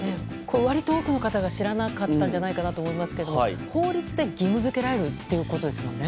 割と多くの方が知らなかったと思いますが法律で義務付けられるということですもんね。